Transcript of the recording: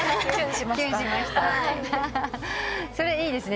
それいいですね。